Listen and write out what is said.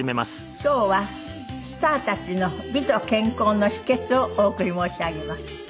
今日はスターたちの美と健康の秘訣をお送り申し上げます。